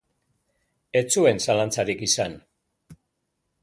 Ez zuen zalantzarik izan.